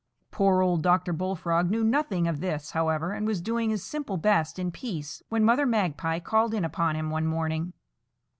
Poor old Dr. Bullfrog knew nothing of this, however, and was doing his simple best, in peace, when Mother Magpie called in upon him one morning.